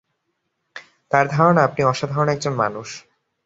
তার ধারণা আপনি অসাধারণ একজন মানুষ।